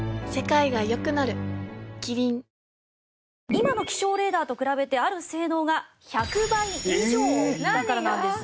今の気象レーダーと比べてある性能が１００倍以上だからなんです。